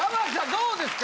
どうですか？